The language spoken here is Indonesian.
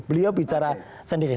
beliau bicara sendiri